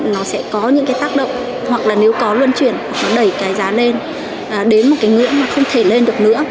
nó sẽ có những cái tác động hoặc là nếu có luân chuyển hoặc nó đẩy cái giá lên đến một cái ngưỡng mà không thể lên được nữa